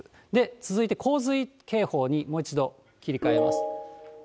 続いて、洪水警報にもう一度切り替えます。